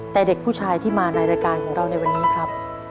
แต่เด็กผู้ชายที่มาในรายการของเราในวันนี้ครับ